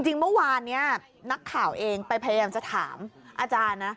จริงเมื่อวานนี้นักข่าวเองไปพยายามจะถามอาจารย์นะ